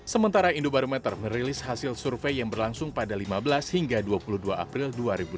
sementara indobarometer merilis hasil survei yang berlangsung pada lima belas hingga dua puluh dua april dua ribu delapan belas